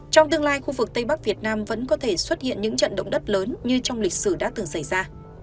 trong tương lai khu vực tây bắc việt nam vẫn có thể xuất hiện những trận động đất lớn như trong lịch sử đã từng xảy ra